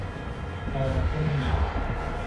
ลานวัดก็ไม่มี